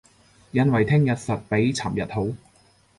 因為聼日實比尋日好